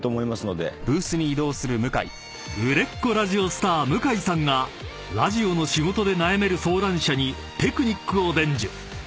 ［売れっ子ラジオスター向井さんがラジオの仕事で悩める相談者にテクニックを伝授］